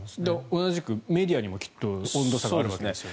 同じくメディアにもきっと温度差があるわけですよね。